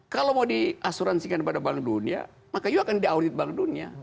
kalau mau diasuransikan pada bank dunia maka you akan diaudit bank dunia